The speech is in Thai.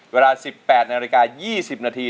เวลา๑๘นาฬิกา๒๐นาที